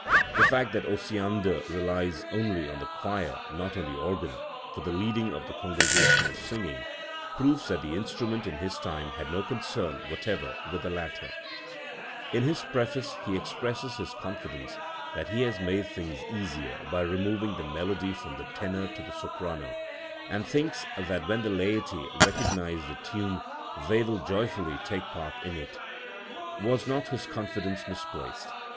Tbe fact that Osiander relics only on the choir, not on the organ, for the leading of the congregational singing, proves that the instrument in his time had no concern whatever with the latter *, In his preface he expresses his confidence that lie has made things easier by removing the melody from the tenor to the soprano, and thinks that when the laity recognise the tune they will joyfully take part in it, Was not his confidence misplaced?